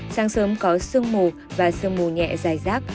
sáng sớm có sương mù và sương mù nhẹ dài rác